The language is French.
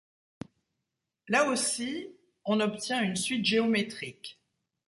Là aussi on obtient une suite géométrique.